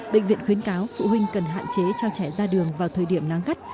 bệnh viện khuyến cáo phụ huynh cần hạn chế cho trẻ ra đường vào thời điểm nắng gắt